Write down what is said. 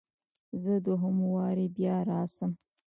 زه دوهم واري بیا راسم؟